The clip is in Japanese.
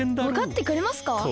わかってくれますか？